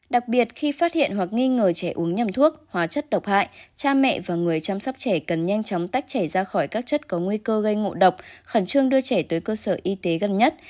đặc biệt khi phát hiện hoặc nghi ngờ trẻ uống nhầm thuốc hóa chất độc hại cha mẹ và người chăm sóc trẻ cần nhanh chóng tách trẻ ra khỏi các chất có nguy cơ gây ngộ độc khẩn trương đưa trẻ tới cơ sở y tế gần nhất